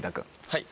はい。